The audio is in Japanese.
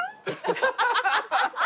ハハハハ！